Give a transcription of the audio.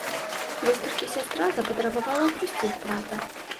Вось толькі сястра запатрабавала адпусціць брата.